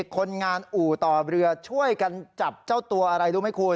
คนงานอู่ต่อเรือช่วยกันจับเจ้าตัวอะไรรู้ไหมคุณ